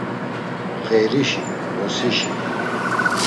“Xeirişi, vrosişi!”